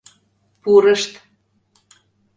Пурышт.